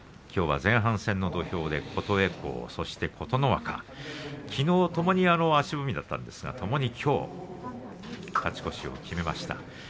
きょうは前半戦の土俵で琴恵光琴ノ若、きのうともに足踏みだったんですがともにきょう勝ち越しを決めました。